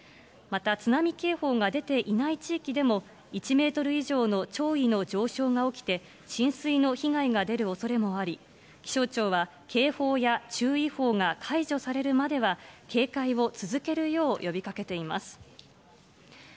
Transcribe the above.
また津波警報が出ていない地域でも、１メートル以上の潮位の上昇が起きて、浸水の被害が出るおそれもあり、気象庁は警報や注意報が解除されるまでは警戒を続けるよう呼びかけています。